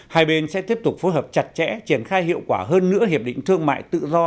hai bên sẽ tiếp tục phối hợp chặt chẽ triển khai hiệu quả hơn nữa hiệp định thương mại tự do